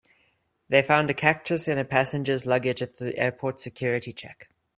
They found a cactus in a passenger's luggage at the airport's security check.